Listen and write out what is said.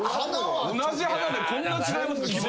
同じ花でこんな違います？